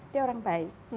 dia orang baik